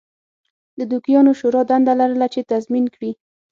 د دوکیانو شورا دنده لرله چې تضمین کړي